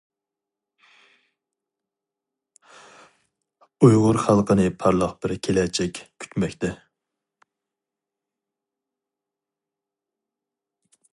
ئۇيغۇر خەلقىنى پارلاق بىر كېلەچەك كۈتمەكتە.